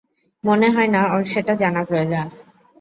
মনে হয় না ওর সেটা জানা প্রয়োজন।